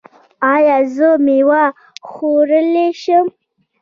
ایا زه میوه خوړلی شم؟